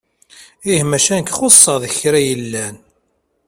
Ih macca nekk xuṣeɣ deg kra yellan.